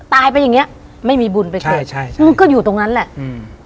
ตายไปอย่างเงี้ยไม่มีบุญไปช่วยใช่มันก็อยู่ตรงนั้นแหละอืม